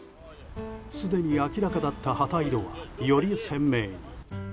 すでに明らかだった旗色はより鮮明に。